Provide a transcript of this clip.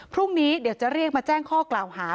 พรุ่งนี้เดี๋ยวจะเรียกมาแจ้งข้อกล่าวหา